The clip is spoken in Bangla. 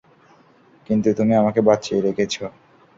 কিন্তু তুমি আমাকে বাঁচিয়ে রেখেছ।